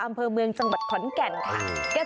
อำเภอเมืองจังหัวของขอนแก่น